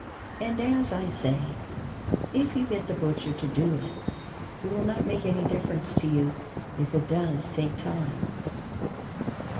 And as I say, if you get the butcher to do it, it will not make any difference to you if it does take time.